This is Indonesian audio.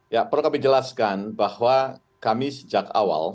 ya perlu kami jelaskan bahwa kami sejak awal